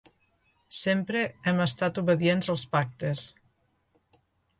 Sempre hem estat obedients als pactes.